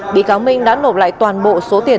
bị cáo minh đã nộp lại toàn bộ số tiền